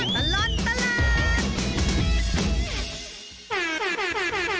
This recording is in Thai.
ชั่วตลอดตลาด